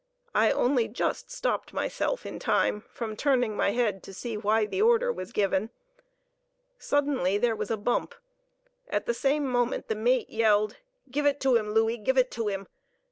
I only just stopped myself in time from turning my head to see why the order was given. Suddenly there was a bump; at the same moment the mate yelled, "Giv't to him, Louey, give't to him!"